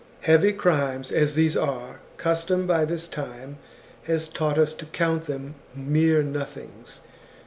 Heavy crimes as these are, custom by this time has taught us to count them mere nothings.